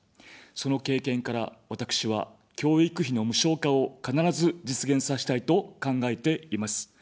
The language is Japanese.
その経験から私は教育費の無償化を必ず実現させたいと考えています。